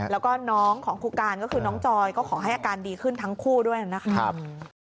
แล้วก็น้องของครูการก็คือน้องจอยก็ขอให้อาการดีขึ้นทั้งคู่ด้วยนะครับ